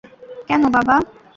কেন, বাবা?